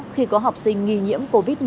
khi có học sinh nghi nhiễm covid một mươi chín